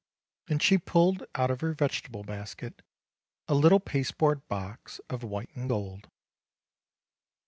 and she pulled out of her vegetable basket a little pasteboard box of white and gold.